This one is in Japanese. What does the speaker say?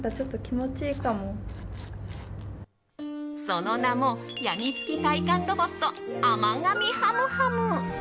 その名もやみつき体感ロボット甘噛みハムハム。